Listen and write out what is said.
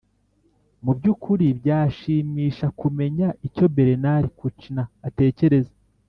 mu by'ukuri, byashimisha kumenya icyo bernard kouchner atekereza